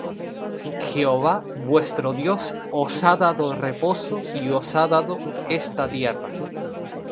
Jehová vuestro Dios os ha dado reposo, y os ha dado esta tierra.